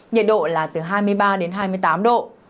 nhiệt độ là từ hai mươi ba đến hai mươi tám độ